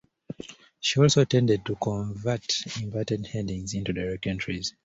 She also tended to convert inverted headings into direct entries.